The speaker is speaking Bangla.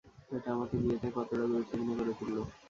এটা আমাকে বিয়েতে কতটা গুরুত্বপূর্ণ করে তুললো।